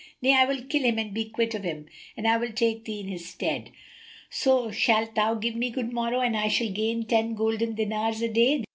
Nay, I will kill him and be quit of him and I will take thee in his stead; so shalt thou give me good morrow and I shall gain ten golden dinars a day."